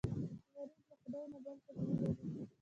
غریب له خدای نه بل څوک نه لري